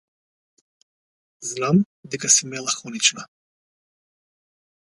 Знам дека си мелахонична.